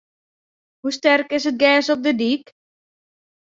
Hoe sterk is it gers op de dyk?